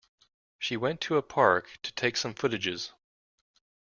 She went to a park to take some footages.